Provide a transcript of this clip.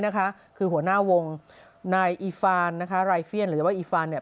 นะคะคือหัวหน้าวงนายอีฟานนะคะรายเฟียนหรือว่าอีฟานเนี่ย